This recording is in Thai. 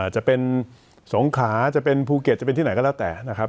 จะเป็นสงขาจะเป็นภูเก็ตจะเป็นที่ไหนก็แล้วแต่นะครับ